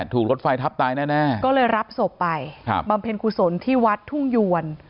ถูกรถไฟทับตายแน่ก็เลยรับศพไปบำเพ็ญกุศลที่วัดทุ่งยวน